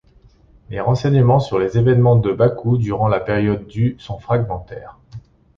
Les renseignements sur les événements de Bakou durant la période du sont fragmentaires.